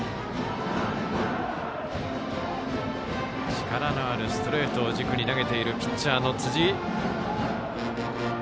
力のあるストレートを軸に投げているピッチャーの辻井。